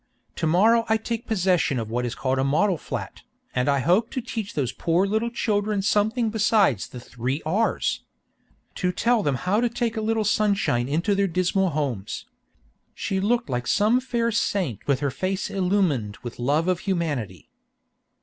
To morrow I take possession of what is called a model flat, and I hope to teach those poor little children something besides the three R's. To tell them how to take a little sunshine into their dismal homes." She looked like some fair saint with her face illumined with love of humanity.